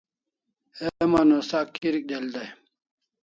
Heman o sak kirik del dai